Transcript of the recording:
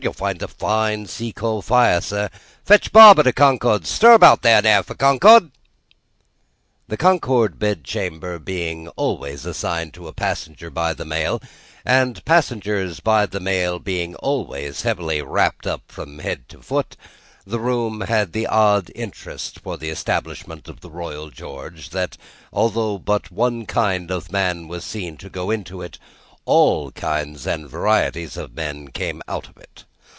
(You will find a fine sea coal fire, sir.) Fetch barber to Concord. Stir about there, now, for Concord!" The Concord bed chamber being always assigned to a passenger by the mail, and passengers by the mail being always heavily wrapped up from head to foot, the room had the odd interest for the establishment of the Royal George, that although but one kind of man was seen to go into it, all kinds and varieties of men came out of it.